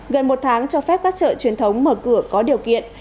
gần một tháng cho phép các chợ truyền thống mở cửa có điều kiện